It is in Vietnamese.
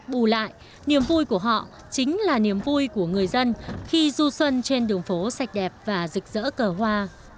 bù lại niềm vui của họ chính là niềm vui của người dân khi du xuân trên đường phố sạch đẹp và rực rỡ cờ hoa